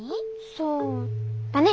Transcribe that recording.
そうだね。